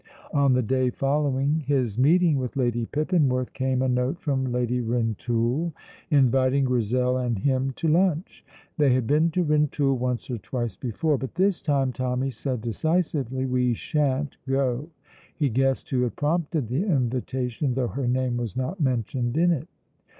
On the day following his meeting with Lady Pippinworth came a note from Lady Rintoul inviting Grizel and him to lunch. They had been to Rintoul once or twice before, but this time Tommy said decisively, "We sha'n't go." He guessed who had prompted the invitation, though her name was not mentioned in it.